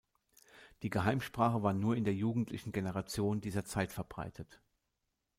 Die Geheimsprache war nur in der jugendlichen Generation dieser Zeit verbreitet.